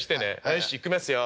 よしいきますよ。